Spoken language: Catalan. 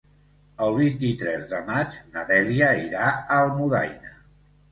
El vint-i-tres de maig na Dèlia irà a Almudaina.